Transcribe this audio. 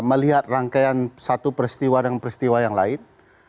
melihat rangkaian satu peristiwa dengan peristiwa yang lain